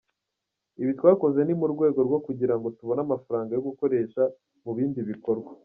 Ibi twakoze ni mu rwego rwo kugirango tubone amafaranga yo gukoresha mu bindi bikorwa.